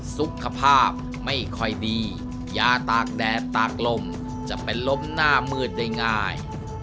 สุขภาพไม่ค่อยดียาตากแดดตากลมจะเป็นลมหน้ามืดได้ง่าย